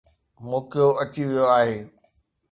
موقعو اچي ويو آهي.